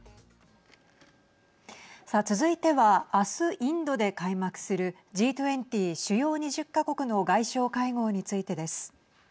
続いては明日インドで開幕するＧ２０＝主要２０か国の外相会合についてです。